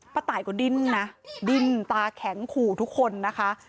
ตายก็ดิ้นนะดิ้นตาแข็งขู่ทุกคนนะคะ